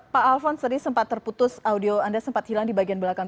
pak alphonse tadi sempat terputus audio anda sempat hilang di bagian belakang